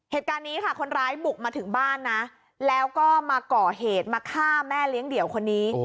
เหตุการณ์นี้ค่ะคนร้ายบุกมาถึงบ้านนะแล้วก็มาก่อเหตุมาฆ่าแม่เลี้ยงเดี่ยวคนนี้